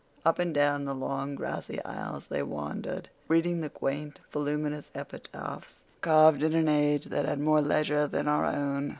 Up and down the long grassy aisles they wandered, reading the quaint, voluminous epitaphs, carved in an age that had more leisure than our own.